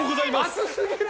熱すぎる。